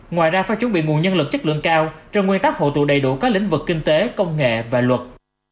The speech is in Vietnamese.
ngoài ra phải chuẩn bị nguồn nhân lực chất lượng cao trong nguyên tắc hộ tụ đầy đủ các lĩnh vực kinh tế công nghệ và luật